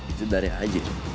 itu dari aja